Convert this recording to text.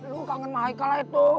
lo kangen sama haikal lah itu